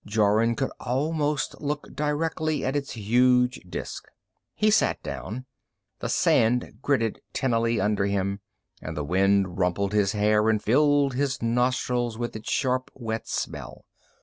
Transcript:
Jorun could almost look directly at its huge disc. He sat down. The sand gritted tinily under him, and the wind rumpled his hair and filled his nostrils with its sharp wet smell.